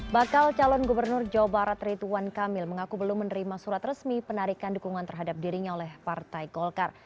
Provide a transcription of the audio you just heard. bakal calon gubernur jawa barat rituan kamil mengaku belum menerima surat resmi penarikan dukungan terhadap dirinya oleh partai golkar